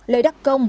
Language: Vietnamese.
lê đắc công